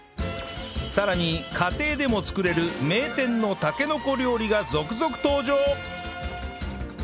さらに家庭でも作れる名店のたけのこ料理が続々登場！